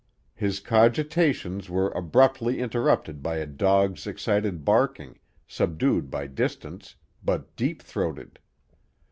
His cogitations were abruptly interrupted by a dog's excited barking, subdued by distance, but deep throated.